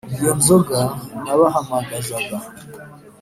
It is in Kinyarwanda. iyo nzoga nabahamagazaga